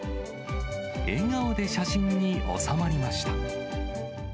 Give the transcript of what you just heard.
笑顔で写真に収まりました。